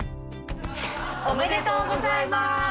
おめでとうございます！